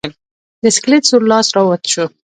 د سکلیټ سور لاس راوت شو.